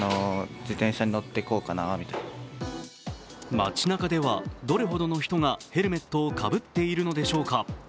街なかではどれほどの人がヘルメットをかぶっているのでしょうか。